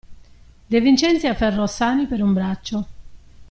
De Vincenzi afferrò Sani per un braccio.